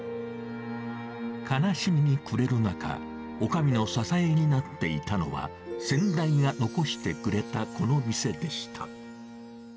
悲しみに暮れる中、おかみの支えになっていたのは、先代が残してくれたこの店でした。